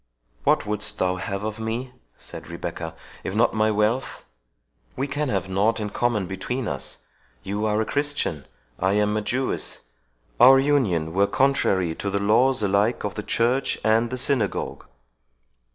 "What wouldst thou have of me," said Rebecca, "if not my wealth?—We can have nought in common between us—you are a Christian—I am a Jewess.—Our union were contrary to the laws, alike of the church and the synagogue."